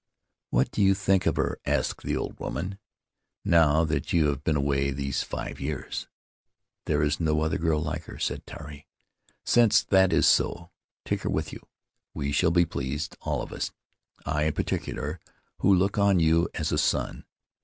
'What do you think of her," asked the old woman, "now that you have been away these five years?" "There is no other girl like her," said Tari. :' Since that is so, take her with you; we shall be pleased, all of us — I in particular, who look on you as a son.